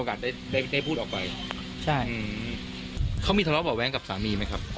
ได้ได้พูดออกไปใช่อืมเขามีทะเลาะเบาะแว้งกับสามีไหมครับ